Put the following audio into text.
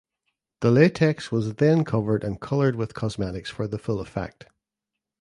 The latex was then covered and coloured with cosmetics for the full effect.